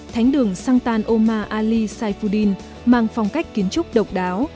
thánh đường shantan omar ali saifuddin mang phong cách kiến trúc độc đáo